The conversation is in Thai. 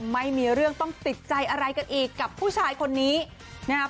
ไม่มีเรื่องต้องติดใจอะไรกันอีกกับผู้ชายคนนี้นะครับ